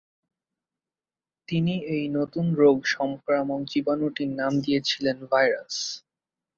তিনি এই নতুন রোগ সংক্রামক জীবাণুটির নাম দিয়েছিলেন ভাইরাস।